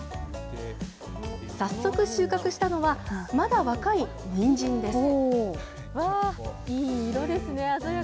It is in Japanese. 早速収穫したのは、まだ若いニンジンです。